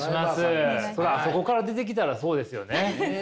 あそこから出てきたらそうですよね。